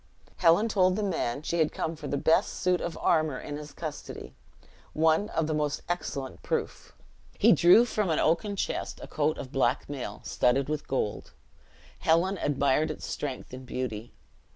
Helen told the man she came for the best suit of armor in his custody "one of the most excellent proof." He drew from an oaken chest a coat of black mail, studded with gold. Helen admired its strength and beauty.